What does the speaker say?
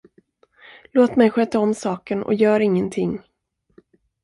Låt mig sköta om saken, och gör ingenting.